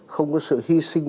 không có sự hy sinh